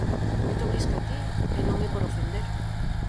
Moito máis ca ti, e non é por ofender.